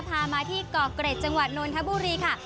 พามาที่เกาะเกร็ดจังหวัดนนทบุรีค่ะ